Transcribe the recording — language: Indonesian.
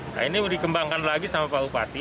nah ini dikembangkan lagi sama pak bupati